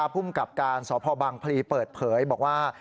ภูมิกับการสพบังพลีเปิดเผยบอกว่า